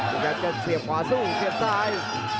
พี่กันต้องเสียบขวาสู้เสียบซ้าย